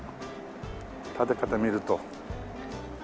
建て方見ると。